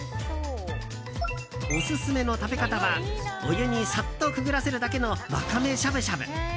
オススメの食べ方はお湯にさっとくぐらせるだけのワカメしゃぶしゃぶ。